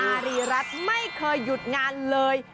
อารีรัฐไม่เคยหยุดงานเลย